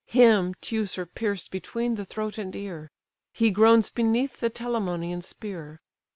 Him Teucer pierced between the throat and ear: He groans beneath the Telamonian spear.